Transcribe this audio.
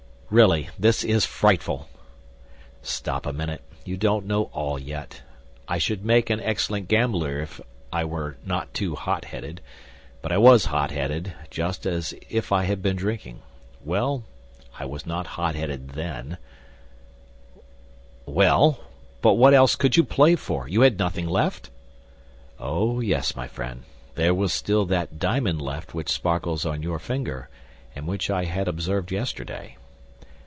"Really, this is frightful." "Stop a minute; you don't know all yet. I should make an excellent gambler if I were not too hot headed; but I was hot headed, just as if I had been drinking. Well, I was not hot headed then—" "Well, but what else could you play for? You had nothing left?" "Oh, yes, my friend; there was still that diamond left which sparkles on your finger, and which I had observed yesterday."